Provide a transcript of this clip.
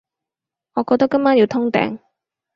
我覺得今晚要通頂